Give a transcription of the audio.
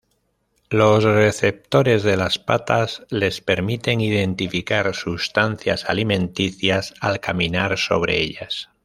Los receptores de las patas les permiten identificar sustancias alimenticias al caminar sobre ellas.